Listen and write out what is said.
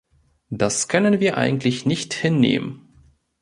Das können wir eigentlich nicht hinnehmen.